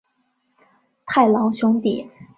太郎兄弟。